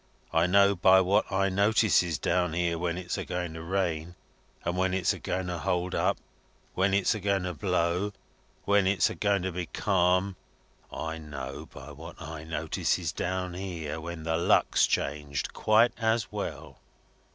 I know by what I notices down here, when it's a going to rain, when it's a going to hold up, when it's a going to blow, when it's a going to be calm. I know, by what I notices down here, when the luck's changed, quite as well."